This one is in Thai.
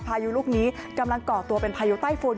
พายุลูกนี้กำลังก่อตัวเป็นพายุใต้ฝุ่น